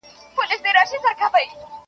تش کوهي ته په اوبو پسي لوېدلی .